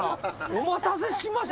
「お待たせしました」